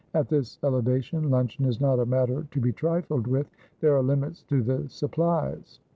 At this eleva tion luncheon is not a matter to be trifled with. There are limits to the supplies.'